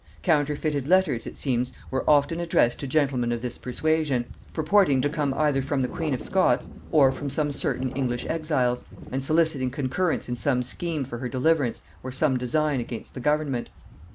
Counterfeited letters, it seems, were often addressed to gentlemen of this persuasion, purporting to come either from the queen of Scots or from certain English exiles, and soliciting concurrence in some scheme for her deliverance, or some design against the government.